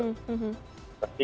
pasti kita bisa mengerti